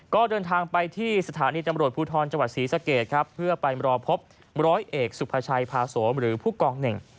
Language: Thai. ก็เดินทางไปที่สถานีตำรวจภูทรจังหวัดศรีสะเกดครับเพื่อไปรอพบร้อยเอกสุภาชัยพาโสมหรือผู้กองเน่ง